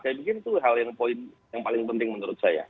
saya pikir itu hal yang paling penting menurut saya